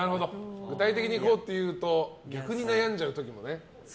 具体的にこうって言うと逆に悩んじゃう時もね。